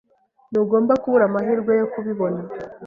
Ntugomba kubura amahirwe yo kubibona.